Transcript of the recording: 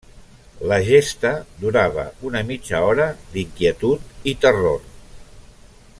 La gesta durava una mitja hora d'inquietud i terror.